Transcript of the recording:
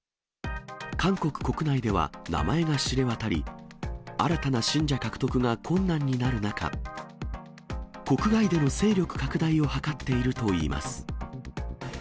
韓国国内では名前が知れ渡り、新たな信者獲得が困難になる中、国外での勢力拡大を図っているといいます。